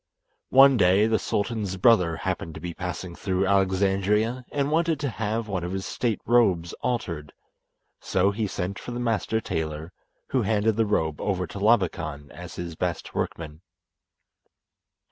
One day, the sultan's brother happened to be passing through Alexandria, and wanted to have one of his state robes altered, so he sent for the master tailor, who handed the robe over to Labakan as his best workman.